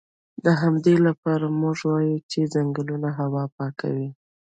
د همدې لپاره موږ وایو چې ځنګلونه هوا پاکوي